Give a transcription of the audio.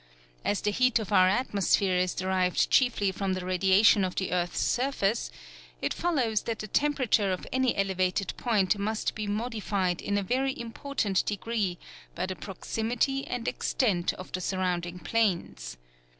As the heat of our atmosphere is derived chiefly from the radiation of the earth's surface, it follows that the temperature of any elevated point must be modified in a very important degree by the proximity and extent of the surrounding plains.